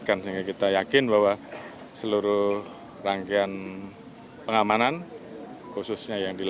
kapolri menyebut dalam beberapa hari ini